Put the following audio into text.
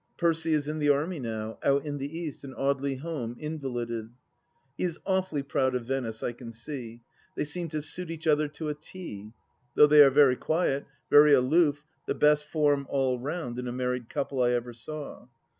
Percy is in the Army, now, out in the East, and Audely home, invalided. ... He is awfully proud of Venice, I can see. They seem to suit each other to a T. Though they are very quiet, very aloof, the best form, all round, in a married couple I ever saw.